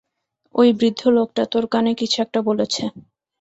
ওই বৃদ্ধ লোকটা তোর কানে কিছু একটা বলেছে।